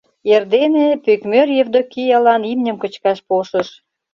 Эрдене пӧкмӧр Евдокиялан имньым кычкаш полшыш.